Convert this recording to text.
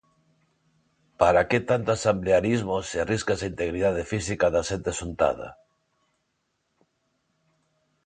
Para que tanto asemblearismo se arriscas a integridade física da xente xuntada?